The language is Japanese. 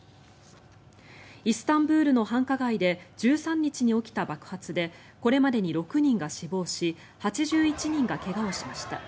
イスタンブールの繁華街で１３日に起きた爆発でこれまでに６人が死亡し８１人が怪我をしました。